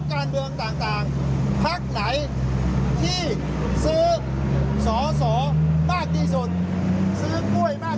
คันธุ์มูลตีร้ายการ